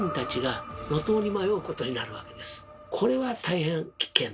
これは大変危険である。